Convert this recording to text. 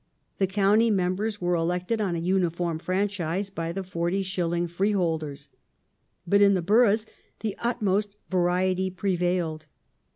The county members were elected on a uniform franchise by the 40s. freeholders ; but in the boroughs the utmost variety prevailed.